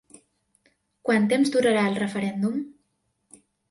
Quant temps durarà el referèndum?